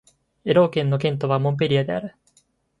エロー県の県都はモンペリエである